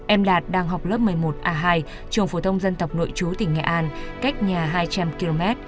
em đạt đang học lớp một mươi một a hai trường phổ thông dân tộc nội chú tỉnh nghệ an cách nhà hai trăm linh km